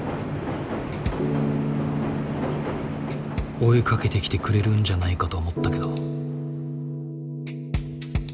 追いかけてきてくれるんじゃないかと思ったけど。